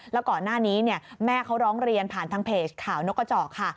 แล้วก่อนหน้านี้แม่เขาร้องเรียนผ่านทางเพจข่าวนกกระจอกค่ะ